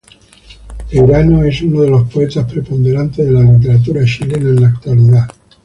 Peirano es uno de los poetas preponderantes de la literatura chilena en la actualidad.